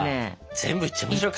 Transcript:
全部いっちゃいましょうか？